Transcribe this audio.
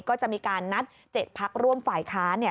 ก็จะมีการนัด๗พักร่วมฝ่ายค้าน